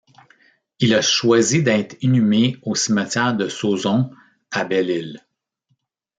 Il a choisi d’être inhumé au cimetière de Sauzon à Belle-Ile.